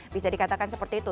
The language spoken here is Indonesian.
bisa dikatakan seperti itu